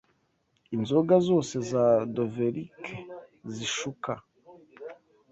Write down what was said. Inzoga zose za dovelike zishuka